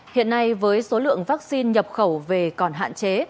hiện nay với số lượng vaccine nhập khẩu về còn hạn chế